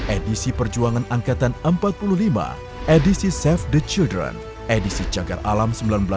edisi perjuangan angkatan empat puluh lima edisi save the chideran edisi cagar alam seribu sembilan ratus delapan puluh